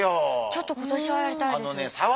ちょっと今年はやりたいです。